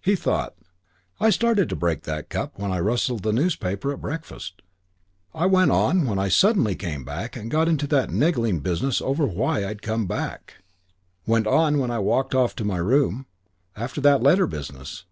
He thought, "I started to break that cup when I rustled the newspaper at breakfast. I went on when I suddenly came back and got into that niggling business over why I had come back. Went on when I walked off to my room after that letter business.